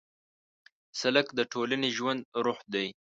سړک د ټولنې ژوندی روح دی.